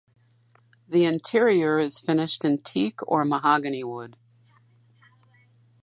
The interior is finished in teak or mahogany wood.